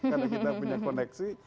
karena kita punya koneksi